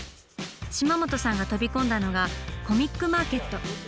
島本さんが飛び込んだのがコミックマーケット。